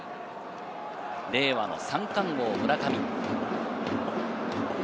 令和の三冠王・村上。